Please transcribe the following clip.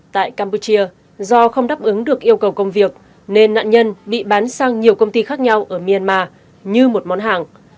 tại campuchia do không đáp ứng được yêu cầu công việc nên nạn nhân bị bán sang nhiều công ty khác nhau ở myanmar như một món hàng